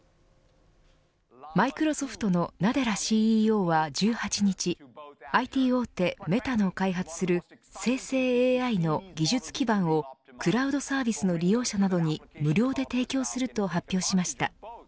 マイクロソフトのナデラＣＥＯは１８日ＩＴ大手メタの開発する生成ＡＩの技術基盤をクラウドサービスの利用者などに無料で提供すると発表しました。